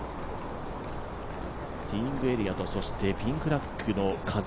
ティーイングエリアとそしてピンフラッグの風